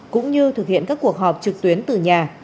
được thực hiện các cuộc họp trực tuyến từ nhà